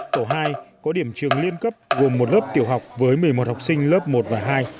tổ hai có điểm trường liên cấp gồm một lớp tiểu học với một mươi một học sinh lớp một và hai